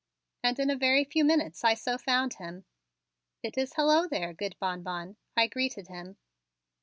And in a very few minutes I so found him. "It is hello there, good Bonbon," I greeted him.